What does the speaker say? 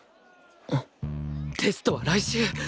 テストは来週！